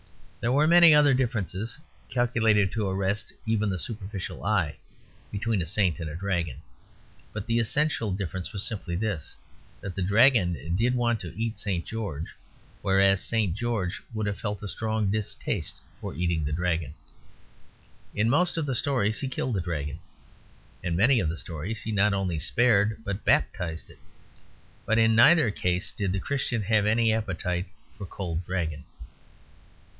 There were many other differences, calculated to arrest even the superficial eye, between a saint and a dragon. But the essential difference was simply this: that the Dragon did want to eat St. George; whereas St. George would have felt a strong distaste for eating the Dragon. In most of the stories he killed the Dragon. In many of the stories he not only spared, but baptised it. But in neither case did the Christian have any appetite for cold dragon.